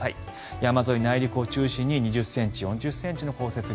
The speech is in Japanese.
山沿い、内陸を中心に２０ｃｍ、４０ｃｍの降雪量。